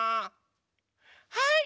はい！